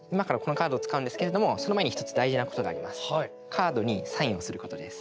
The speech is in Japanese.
カードにサインをすることです。